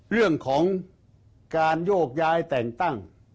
เรื่องของการโยกย้ายแต่งตั้ง